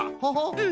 うん。